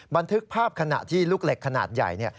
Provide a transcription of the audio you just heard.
บันทึกภาพขณะที่ลูกเหล็กขนาดใหญ่